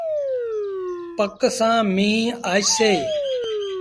پڪ سآݩ ميݩهن آئيٚسي۔